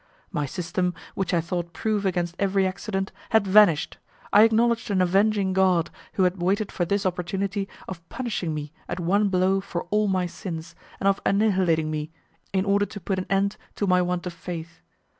My system, which I thought proof against every accident, had vanished: I acknowledged an avenging God who had waited for this opportunity of punishing me at one blow for all my sins, and of annihilating me, in order to put an end to my want of faith.